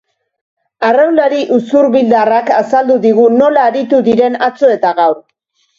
Arraunlari usurbildarrak azaldu digu nola aritu diren atzo eta gaur.